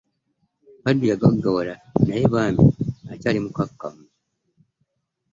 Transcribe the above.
Kaddu yagaggawala naye bambi akyali mukkakkamu.